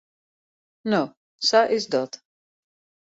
No, sa is dat.